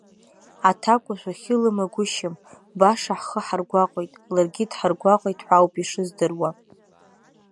Аҭакәажә ахьы лымагәышьам, баша ҳхы ҳаргәаҟит, ларгьы дҳаргәаҟит ҳәа ауп ишыздыруа.